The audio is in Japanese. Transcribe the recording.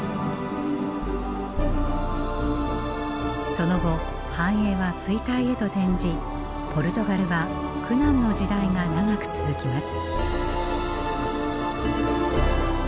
その後繁栄は衰退へと転じポルトガルは苦難の時代が長く続きます。